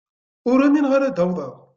Ur umineɣ ara ad awḍeɣ.